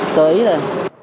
sơ ý thôi